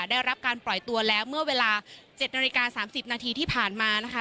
ได้รับการปล่อยตัวแล้วเมื่อเวลา๗นาฬิกา๓๐นาทีที่ผ่านมานะคะ